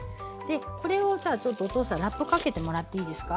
これをじゃあちょっとお父さんラップかけてもらっていいですか？